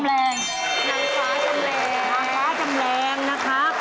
นางฟ้าจำแรงนะครับ